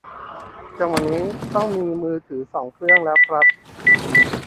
จังหวะนี้ต้องมีมือถือสองเครื่องแล้วครับ